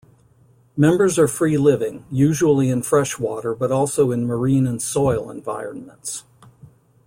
Members are free-living, usually in freshwater but also in marine and soil environments.